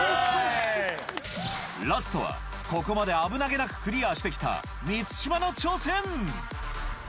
ラストはここまで危なげなくクリアして来たさぁ満島！